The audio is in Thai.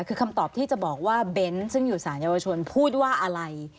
คือคำตอบที่จะบอกว่าเบนส์ซึ่งอยู่สารเยาวชนพูดว่าอะไร